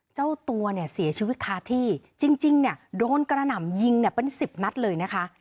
เจ้าตัวเสียชีวิตคาที่จริงโดนกระหน่ำยิงเป็น๑๐นัดเลยนะคะ